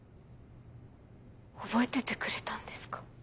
覚えててくれたんですか？